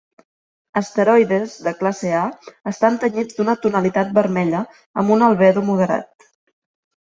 Asteroides de classe A estan tenyits d'una tonalitat vermella amb un albedo moderat.